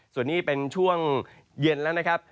ส่วนนี้เป็นช่วงเย็นแล้วนะครับ